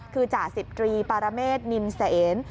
คือจ่าสิบตรีปารเมษนินเสน